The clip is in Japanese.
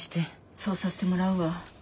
そうさせてもらうわ。